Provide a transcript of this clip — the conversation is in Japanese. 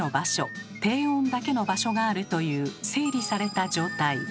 低温だけの場所があるという整理された状態。